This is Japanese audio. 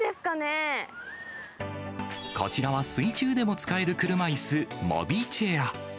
こちらは、水中でも使える車いす、モビチェア。